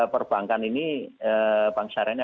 perbankan ini bank syariah ini